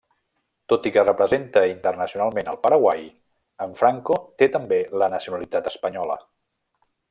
Tot i que representa internacionalment el Paraguai, en Franco té també la nacionalitat espanyola.